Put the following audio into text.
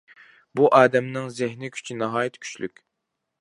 بۇ ئادەمنىڭ زېھنى كۈچى ناھايىتى كۈچلۈك.